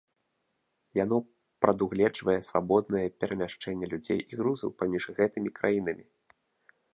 Яно прадугледжвае свабоднае перамяшчэнне людзей і грузаў паміж гэтымі краінамі.